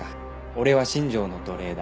俺は新庄の奴隷だ。